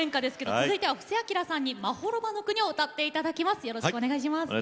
続いては、布施明さんに「まほろばの国」を歌っていただきます。